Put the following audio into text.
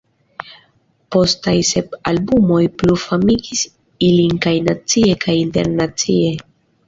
Postaj sep albumoj plu famigis ilin kaj nacie kaj internacie.